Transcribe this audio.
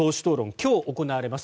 今日行われます。